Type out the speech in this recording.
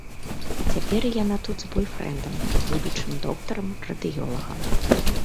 Цяпер яна тут з бойфрэндам, будучым доктарам-радыёлагам.